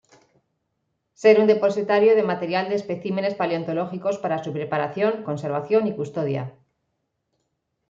Ser un depositario de material de especímenes paleontológicos para su preparación, conservación y custodia.